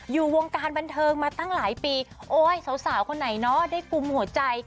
อยู่วงการบันเทิงมาตั้งหลายปีโอ๊ยสาวคนไหนเนาะได้กุมหัวใจ